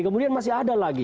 kemudian masih ada lagi